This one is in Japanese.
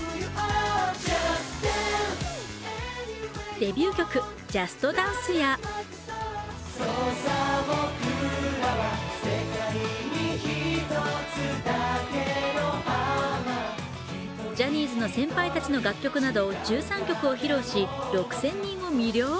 デビュー曲「ＪＵＳＴＤＡＮＣＥ！」やジャニーズの先輩たちの楽曲など１３曲を披露し、６０００人を魅了。